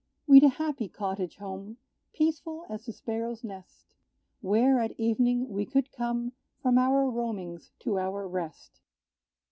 We'd a happy cottage home, Peaceful as the sparrow's nest, Where, at evening, we could come From our roamings to our rest.